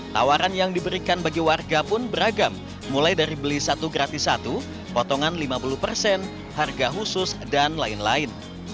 tawaran yang diberikan bagi warga pun beragam mulai dari beli satu gratis satu potongan lima puluh persen harga khusus dan lain lain